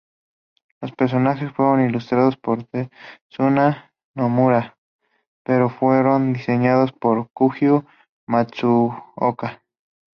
Los personajes fueron ilustrados por Tetsuya Nomura, pero fueron diseñados por Koji Matsuoka.